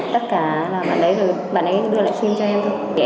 tất cả là bạn đấy đưa lại sim cho em thôi